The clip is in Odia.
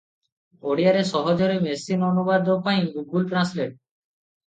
ଓଡ଼ିଆରେ ସହଜରେ ମେସିନ-ଅନୁବାଦ ପାଇଁ ଗୁଗୁଲ ଟ୍ରାନ୍ସଲେଟ ।